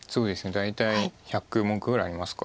大体１００目ぐらいありますか。